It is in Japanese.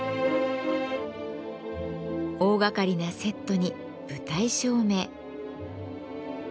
大がかりなセットに舞台照明。